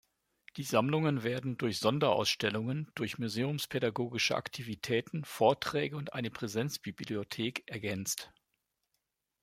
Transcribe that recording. Die Sammlungen werden durch Sonderausstellungen, durch museumspädagogische Aktivitäten, Vorträge und eine Präsenzbibliothek ergänzt.